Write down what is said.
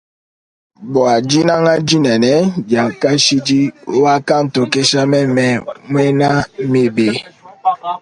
Bwa dinanga dinene dia kashidi wakantokesha meme mwena mibi.